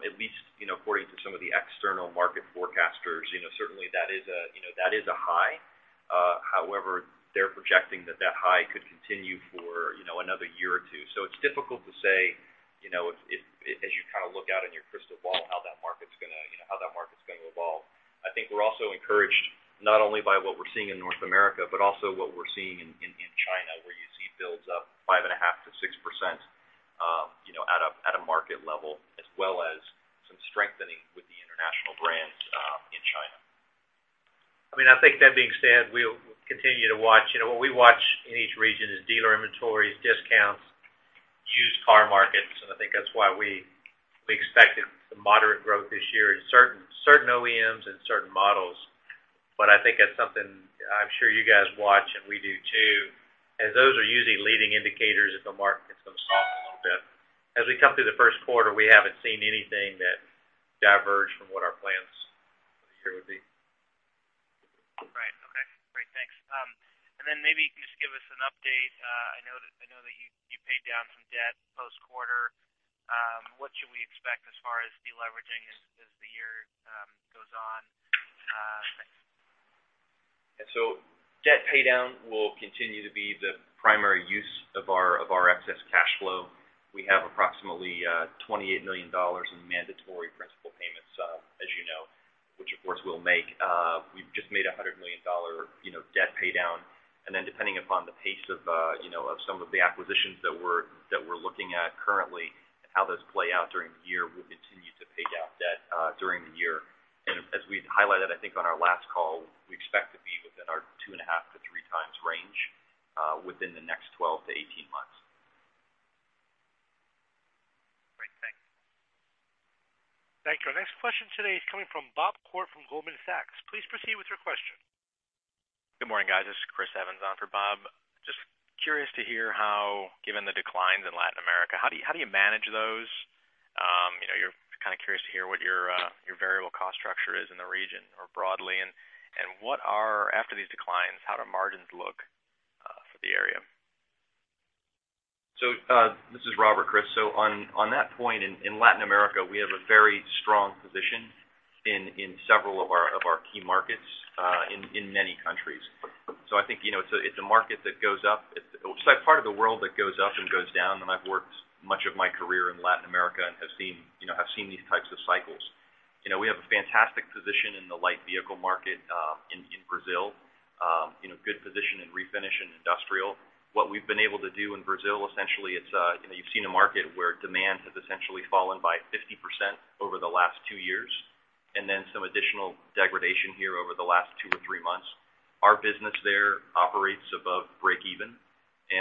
at least according to some of the external market forecasters, certainly that is a high. However, they're projecting that that high could continue for another year or two. It's difficult to say, as you kind of look out in your crystal ball, how that market's going to evolve. I think we're also encouraged, not only by what we're seeing in North America, but also what we're seeing in China, where you see builds up 5.5%-6%, at a market level, as well as some strengthening with the international brands in China. I think that being said, we'll continue to watch. What we watch in each region is dealer inventories, discounts, used car markets, and I think that's why we expected some moderate growth this year in certain OEMs and certain models. I think that's something I'm sure you guys watch, and we do too, as those are usually leading indicators if the market gets soft a little bit. As we come through the first quarter, we haven't seen anything that diverged from what our plans for the year would be. Right. Okay. Great. Thanks. Maybe you can just give us an update. I know that you paid down some debt post-quarter. What should we expect as far as de-leveraging as the year goes on? Thanks. Debt paydown will continue to be the primary use of our excess cash flow. We have approximately $28 million in mandatory principal payments, as you know, which of course we'll make. We've just made a $100 million debt paydown. Depending upon the pace of some of the acquisitions that we're looking at currently and how those play out during the year, we'll continue to pay down debt during the year. As we've highlighted, I think, on our last call, we expect to be within our 2.5x-3x range within the next 12-18 months. Great. Thanks. Thank you. Our next question today is coming from Bob Koort from Goldman Sachs. Please proceed with your question. Good morning, guys. This is Chris Evans on for Bob. Just curious to hear how, given the declines in Latin America, how do you manage those? Kind of curious to hear what your variable cost structure is in the region, more broadly. After these declines, how do margins look for the area? This is Robert, Chris. On that point, in Latin America, we have a very strong position in several of our key markets in many countries. I think it's a market that goes up. It's that part of the world that goes up and goes down, and I've worked much of my career in Latin America and have seen these types of cycles. We have a fantastic position in the light vehicle market in Brazil, good position in refinish and industrial. What we've been able to do in Brazil, essentially, you've seen a market where demand has essentially fallen by 50% over the last two years, and then some additional degradation here over the last two or three months. Our business there operates above break even.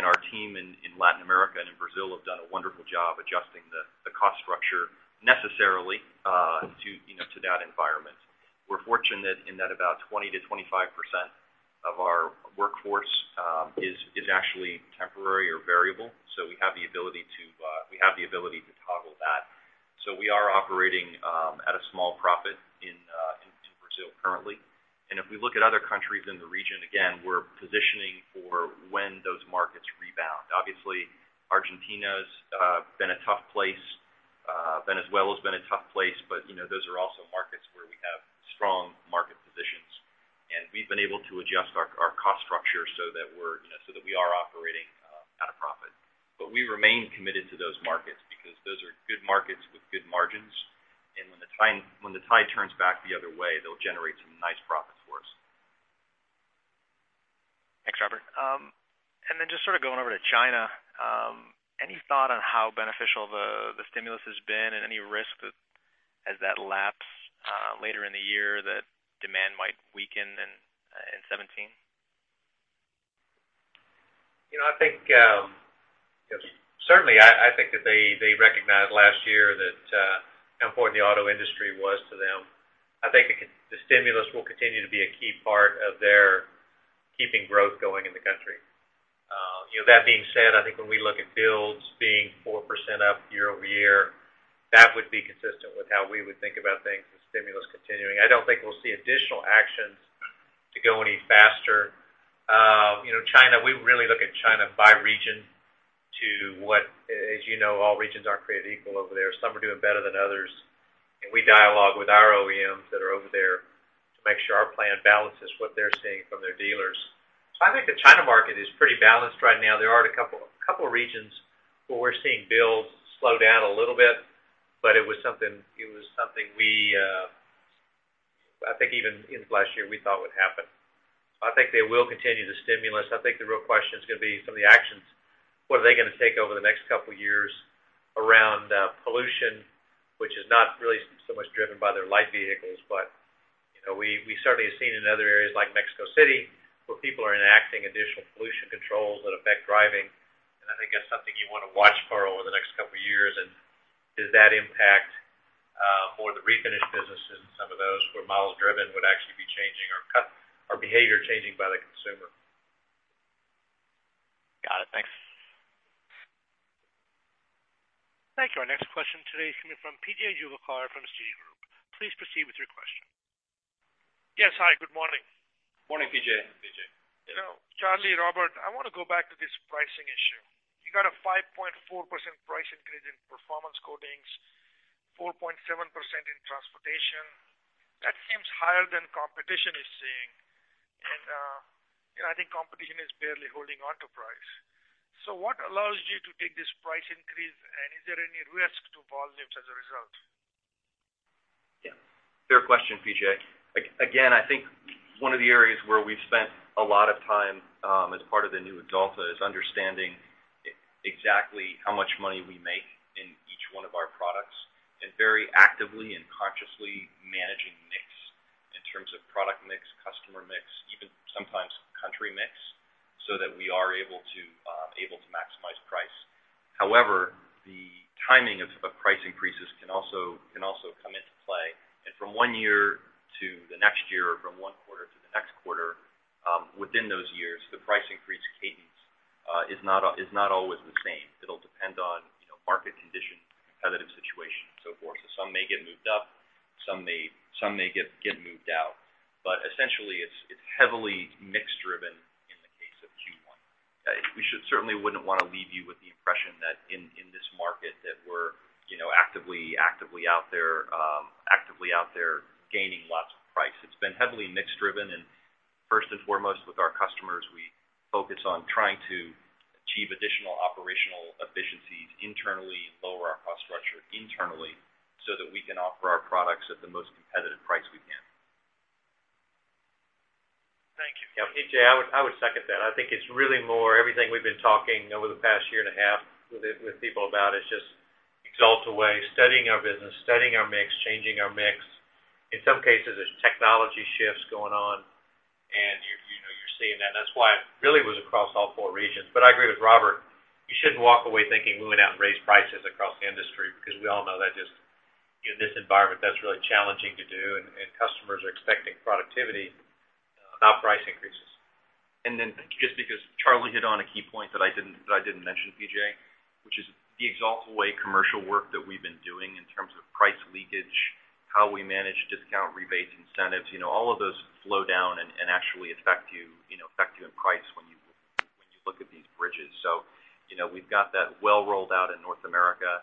Our team in Latin America and in Brazil have done a wonderful job adjusting the cost structure necessarily to that environment. We're fortunate in that about 20%-25% of our workforce is actually temporary or variable. We have the ability to toggle that. We are operating at a small profit in Brazil currently. If we look at other countries in the region, again, we're positioning for when those markets rebound. Obviously, Argentina's been a tough place. Venezuela's been a tough place. Those are also markets where we have strong market positions, and we've been able to adjust our cost structure so that we are operating at a profit. We remain committed to those markets because those are good markets with good margins. When the tide turns back the other way, they'll generate some nice profits for us. Thanks, Robert. Just sort of going over to China, any thought on how beneficial the stimulus has been and any risk that as that lapse later in the year that demand might weaken in 2017? Certainly, I think that they recognized last year how important the auto industry was to them. I think the stimulus will continue to be a key part of their keeping growth going in the country. That being said, I think when we look at builds being 4% up year-over-year, that would be consistent with how we would think about things, the stimulus continuing. I don't think we'll see additional actions to go any faster. We really look at China by region to what, as you know, all regions aren't created equal over there. Some are doing better than others. We dialogue with our OEMs that are over there to make sure our plan balances what they're seeing from their dealers. I think the China market is pretty balanced right now. There are a couple of regions where we're seeing builds slow down a little bit, but it was something, I think even in last year, we thought would happen. I think they will continue the stimulus. I think the real question is going to be some of the actions. What are they going to take over the next couple of years around pollution, which is not really so much driven by their light vehicles. We certainly have seen in other areas like Mexico City where people are enacting additional pollution controls that affect driving. I think that's something you want to watch for over the next couple of years, and does that impact more of the refinish businesses and some of those where miles driven would actually be changing or behavior changing by the consumer. Got it. Thanks. Thank you. Our next question today is coming from P.J. Juvekar from Citigroup. Please proceed with your question. Yes. Hi, good morning. Morning, PJ. Morning, P.J. Charlie, Robert, I want to go back to this pricing issue. You got a 5.4% price increase in Performance Coatings, 4.7% in Transportation. That seems higher than competition is seeing. I think competition is barely holding onto price. What allows you to take this price increase, and is there any risk to volumes as a result? Fair question, P.J. Again, I think one of the areas where we've spent a lot of time as part of the new Axalta is understanding exactly how much money we make in each one of our products, and very actively and consciously managing mix in terms of product mix, customer mix, even sometimes country mix, so that we are able to maximize price. However, the timing of price increases can also come into play. From one year to the next year or from one quarter to the next quarter within those years, the price increase cadence is not always the same. It'll depend on market condition, competitive situation, and so forth. Some may get moved up, some may get moved out. Essentially, it's heavily mix driven in the case of Q1. We certainly wouldn't want to leave you with the impression that in this market that we're actively out there gaining lots of price. It's been heavily mix driven. First and foremost with our customers, we focus on trying to achieve additional operational efficiencies internally and lower our cost structure internally so that we can offer our products at the most competitive price we can. Thank you. P.J., I would second that. I think it's really more everything we've been talking over the past year and a half with people about is just Axalta Way, studying our business, studying our mix, changing our mix. In some cases, there's technology shifts going on and you're seeing that. That's why it really was across all four regions. I agree with Robert, you shouldn't walk away thinking we went out and raised prices across the industry because we all know that just in this environment, that's really challenging to do, and customers are expecting productivity without price increases. Just because Charlie hit on a key point that I didn't mention, P.J. The Axalta Way commercial work that we've been doing in terms of price leakage, how we manage discount rebates, incentives, all of those flow down and actually affect you in price when you look at these bridges. We've got that well rolled out in North America,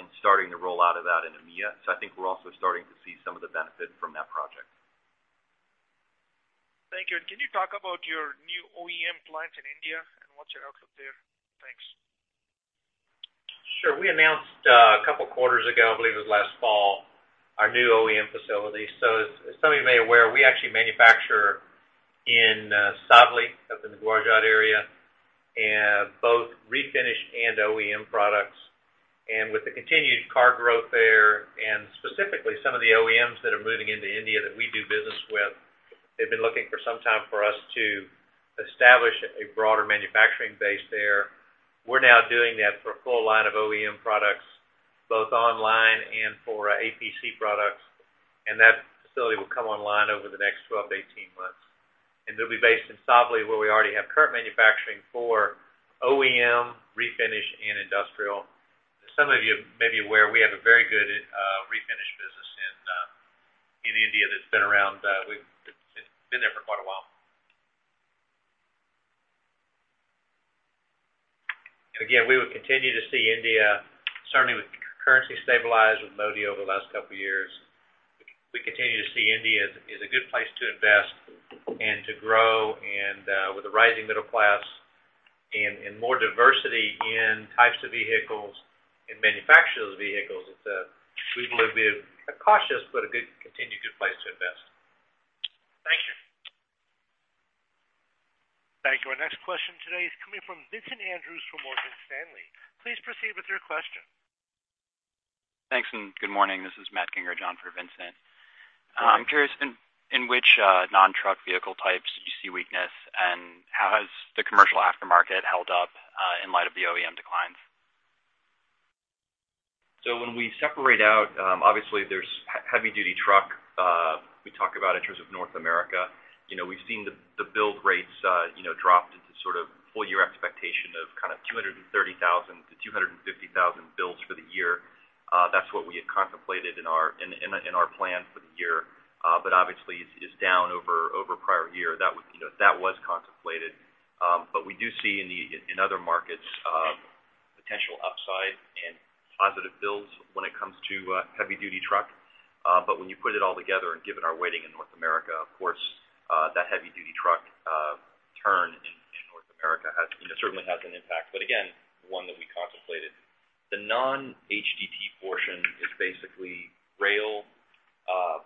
and starting to roll out of that in EMEA. I think we're also starting to see some of the benefit from that project. Thank you. Can you talk about your new OEM plant in India and what's your outlook there? Thanks. Sure. We announced a couple of quarters ago, I believe it was last fall, our new OEM facility. As some of you may be aware, we actually manufacture in Savli, up in the Gujarat area, both refinish and OEM products. With the continued car growth there, and specifically some of the OEMs that are moving into India that we do business with, they've been looking for some time for us to establish a broader manufacturing base there. We're now doing that for a full line of OEM products, both online and for APC products, and that facility will come online over the next 12-18 months. They'll be based in Savli, where we already have current manufacturing for OEM, refinish, and industrial. As some of you may be aware, we have a very good refinish business in India that's been there for quite a while. Again, we would continue to see India, certainly with currency stabilized with Modi over the last couple of years. We continue to see India as a good place to invest and to grow and, with the rising middle class and more diversity in types of vehicles and manufacturers of vehicles, it's a, we believe, a cautious but a continued good place to invest. Thank you. Thank you. Our next question today is coming from Vincent Andrews from Morgan Stanley. Please proceed with your question. Thanks. Good morning. This is Matthew Ginger, [John], for Vincent. Good morning. I'm curious, in which non-truck vehicle types do you see weakness, and how has the commercial aftermarket held up in light of the OEM declines? When we separate out, obviously there's heavy-duty truck, we talk about in terms of North America. We've seen the build rates drop into full year expectation of kind of 230,000 to 250,000 builds for the year. That's what we had contemplated in our plan for the year. Obviously it's down over prior year. That was contemplated. We do see in other markets, potential upside and positive builds when it comes to heavy-duty truck. When you put it all together and given our weighting in North America, of course, that heavy-duty truck turn in North America certainly has an impact. Again, one that we contemplated. The non-HDT portion is basically rail,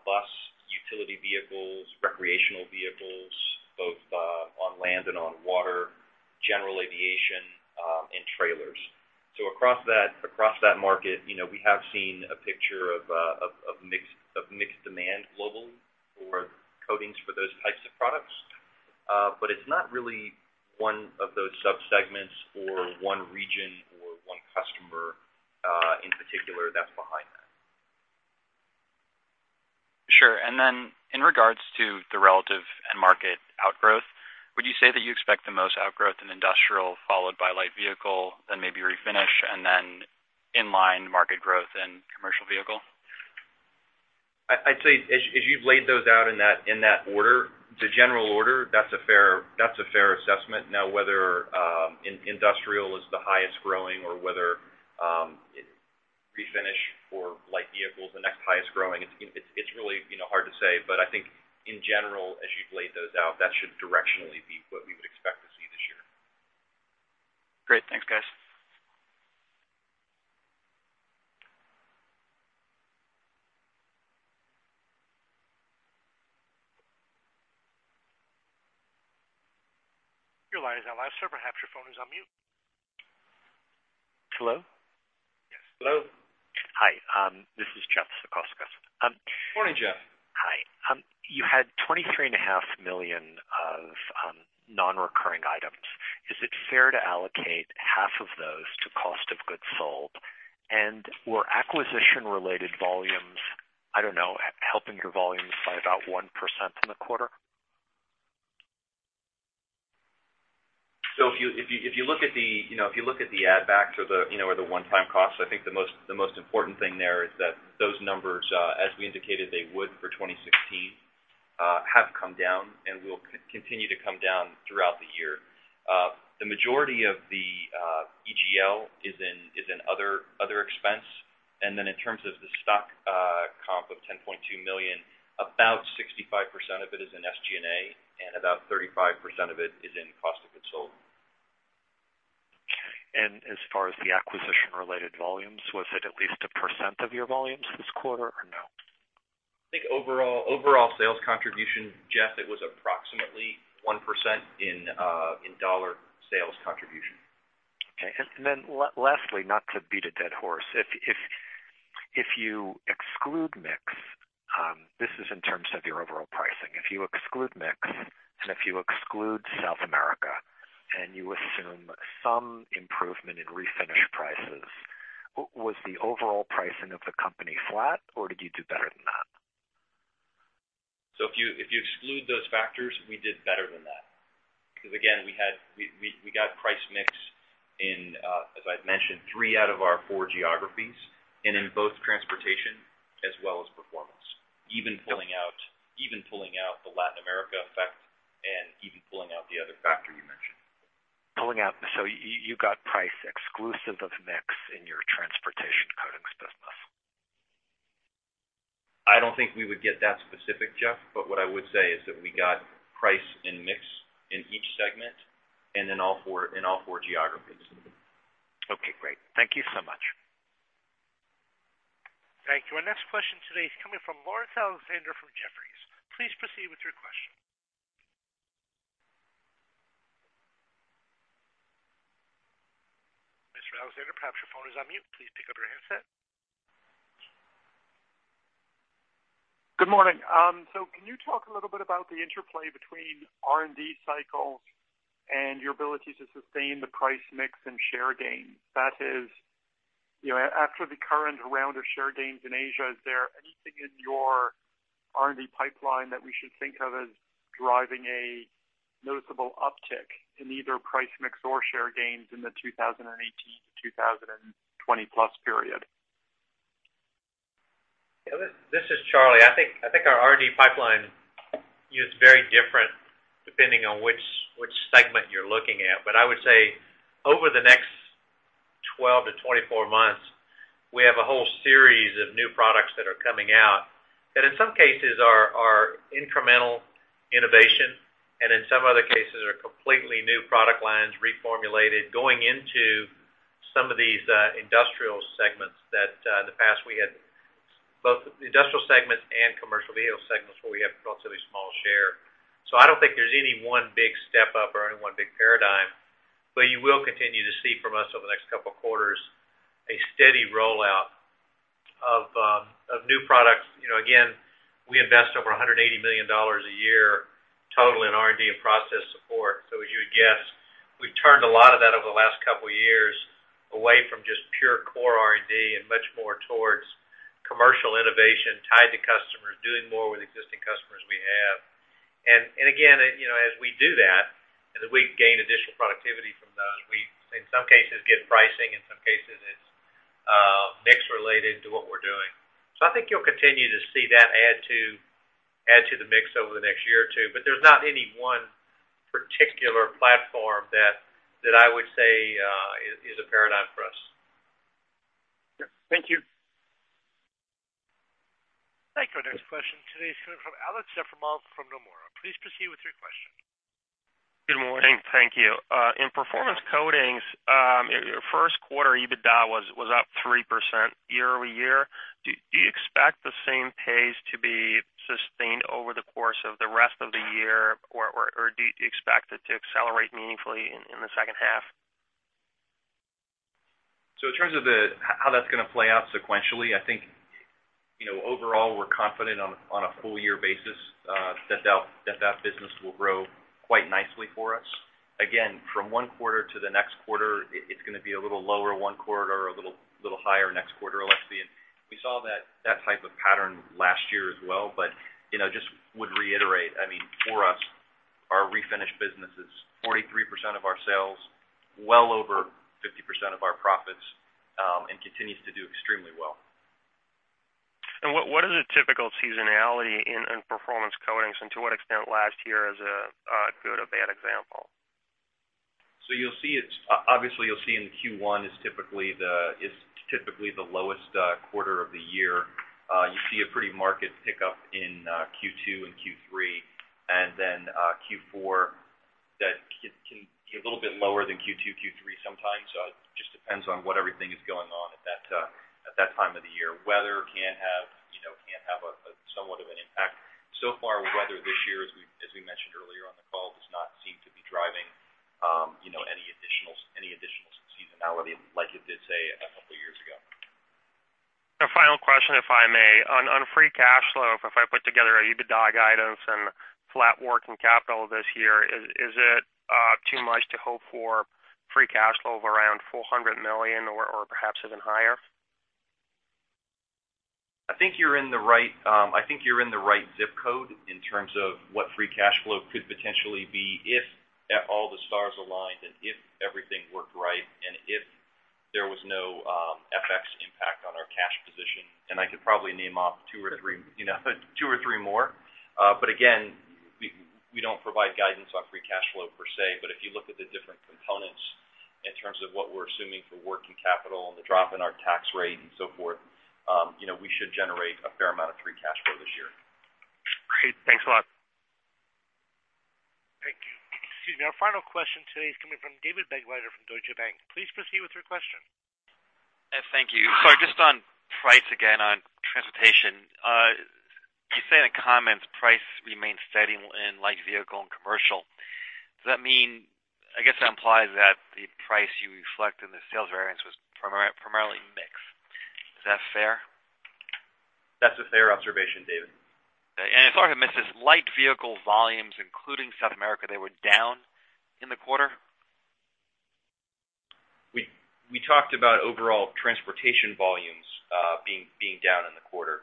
bus, utility vehicles, recreational vehicles, both on land and on water, general aviation, and trailers. Across that market, we have seen a picture of mixed demand globally for coatings for those types of products. It's not really one of those sub-segments or one region or one customer in particular that's behind that. Sure. In regards to the relative end market outgrowth, would you say that you expect the most outgrowth in industrial followed by light vehicle, then maybe refinish and then in line market growth in commercial vehicle? I'd say, as you've laid those out in that order, the general order, that's a fair assessment. Now, whether industrial is the highest growing or whether refinish for light vehicles, the next highest growing, it's really hard to say. I think in general, as you've laid those out, that should directionally be what we would expect to see this year. Great. Thanks, guys. Your line is now live, sir. Perhaps your phone is on mute. Hello? Yes. Hello. Hi, this is Jeffrey Zekauskas. Morning, Jeff. Hi. You had $23.5 million of non-recurring items. Is it fair to allocate half of those to cost of goods sold? Were acquisition-related volumes, I don't know, helping your volumes by about 1% in the quarter? If you look at the add back or the one-time costs, I think the most important thing there is that those numbers, as we indicated they would for 2016, have come down and will continue to come down throughout the year. The majority of the EGL is in other expense. In terms of the stock comp of $10.2 million, about 65% of it is in SG&A and about 35% of it is in cost of goods sold. As far as the acquisition-related volumes, was it at least 1% of your volumes this quarter or no? I think overall sales contribution, Jeff, it was approximately 1% in dollar sales contribution. Lastly, not to beat a dead horse. If you exclude mix, this is in terms of your overall pricing. If you exclude mix and if you exclude South America and you assume some improvement in refinish prices, was the overall pricing of the company flat, or did you do better than that? If you exclude those factors, we did better than that. Because, again, we got price mix in, as I've mentioned, three out of our four geographies, and in both transportation as well as performance, even pulling out the Latin America effect and even pulling out the other factor you mentioned. Pulling out. You got price exclusive of mix in your transportation coatings business? I don't think we would get that specific, Jeff, but what I would say is that we got price and mix in each segment and in all four geographies. Okay, great. Thank you so much. Thank you. Our next question today is coming from Laurence Alexander from Jefferies. Please proceed with your question. Mr. Alexander, perhaps your phone is on mute. Please pick up your handset. Good morning. Can you talk a little bit about the interplay between R&D cycles and your ability to sustain the price mix and share gains? That is, after the current round of share gains in Asia, is there anything in your R&D pipeline that we should think of as driving a noticeable uptick in either price mix or share gains in the 2018 to 2020 plus period? Yeah, this is Charlie. I think our R&D pipeline is very different depending on which segment you're looking at. I would say over the next 12 to 24 months, we have a whole series of new products that are coming out that in some cases are incremental innovation and in some other cases are completely new product lines reformulated going into some of these industrial segments that in the past we had both the industrial segments and commercial vehicle segments where we have relatively small share. I don't think there's any one big step up or any one big paradigm, but you will continue to see from us over the next couple of quarters a steady rollout of new products. We invest over $180 million a year total in R&D and process support. As you would guess, we've turned a lot of that over the last couple of years away from just pure core R&D and much more towards commercial innovation tied to customers, doing more with existing customers we have. Again, as we do that, as we gain additional productivity from those, we in some cases get pricing, in some cases it's mix related to what we're doing. I think you'll continue to see that add to the mix over the next one or two. There's not any one particular platform that I would say is a paradigm for us. Yeah. Thank you. Thank you. Our next question today is coming from Aleksey Yefremov from Nomura. Please proceed with your question. Good morning. Thank you. In performance coatings, your first quarter EBITDA was up 3% year-over-year. Do you expect the same pace to be sustained over the course of the rest of the year? Do you expect it to accelerate meaningfully in the second half? In terms of how that's going to play out sequentially, I think overall, we're confident on a full year basis that that business will grow quite nicely for us. Again, from one quarter to the next quarter, it's going to be a little lower one quarter or a little higher next quarter, Alex. We saw that type of pattern last year as well, but just would reiterate, for us, our refinish business is 43% of our sales, well over 50% of our profits, and continues to do extremely well. What is a typical seasonality in Performance Coatings and to what extent last year is a good or bad example? Obviously, you'll see in Q1 is typically the lowest quarter of the year. You see a pretty marked pickup in Q2 and Q3, and then Q4 that can be a little bit lower than Q2, Q3 sometimes. Just depends on what everything is going on at that time of the year. Weather can have somewhat of an impact. So far with weather this year, as we mentioned earlier on the call, does not seem to be driving any additional seasonality like it did, say, a couple of years ago. A final question, if I may. On free cash flow, if I put together EBITDA guidance and flat working capital this year, is it too much to hope for free cash flow of around $400 million or perhaps even higher? I think you're in the right zip code in terms of what free cash flow could potentially be if all the stars aligned and if everything worked right, and if there was no FX impact on our cash position. I could probably name off two or three more. Again, we don't provide guidance on free cash flow per se, but if you look at the different components in terms of what we're assuming for working capital and the drop in our tax rate and so forth, we should generate a fair amount of free cash flow this year. Great. Thanks a lot. Thank you. Excuse me. Our final question today is coming from David Begleiter from Deutsche Bank. Please proceed with your question. Thank you. Just on price again on transportation. You say in the comments price remains steady in light vehicle and commercial. I guess that implies that the price you reflect in the sales variance was primarily mix. Is that fair? That's a fair observation, David. Okay. If I haven't missed this, light vehicle volumes, including South America, they were down in the quarter? We talked about overall transportation volumes being down in the quarter.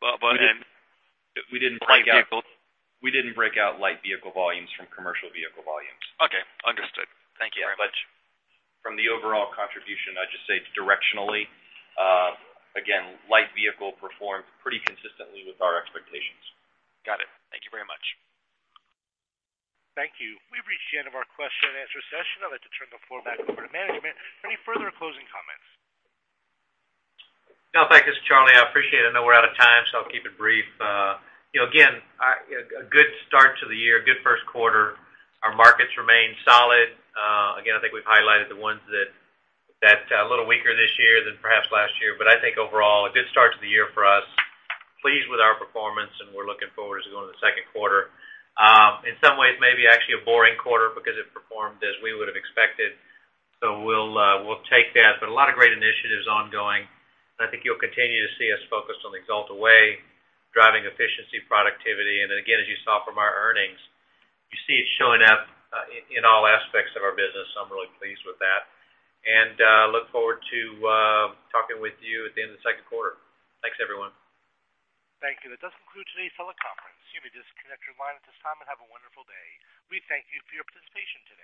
But- We didn't break out. Light vehicles. We didn't break out light vehicle volumes from commercial vehicle volumes. Okay, understood. Thank you very much. From the overall contribution, I'd just say directionally, again, light vehicle performed pretty consistently with our expectations. Got it. Thank you very much. Thank you. We've reached the end of our question and answer session. I'd like to turn the floor back over to management for any further closing comments. Thank you, Charlie. I appreciate it. I know we're out of time. I'll keep it brief. A good start to the year. Good first quarter. Our markets remain solid. I think we've highlighted the ones that are a little weaker this year than perhaps last year. I think overall, a good start to the year for us. Pleased with our performance, and we're looking forward as we go into the second quarter. In some ways, maybe actually a boring quarter because it performed as we would have expected. We'll take that. A lot of great initiatives ongoing, and I think you'll continue to see us focused on the Axalta Way, driving efficiency, productivity. As you saw from our earnings, you see it showing up in all aspects of our business. I'm really pleased with that. Look forward to talking with you at the end of the second quarter. Thanks, everyone. Thank you. That does conclude today's teleconference. You may disconnect your line at this time and have a wonderful day. We thank you for your participation today.